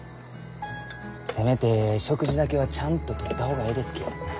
せめて食事だけはちゃんととった方がえいですき。